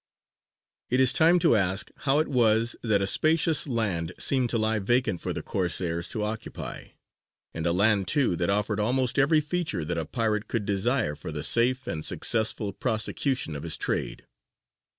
It is time to ask how it was that a spacious land seemed to lie vacant for the Corsairs to occupy, and a land too that offered almost every feature that a pirate could desire for the safe and successful prosecution of his trade.